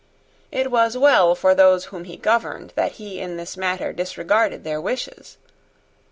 It was well for those whom he governed that he in this matter disregarded their wishes.